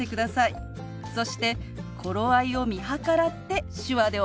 そして頃合いを見計らって手話でお話を始めます。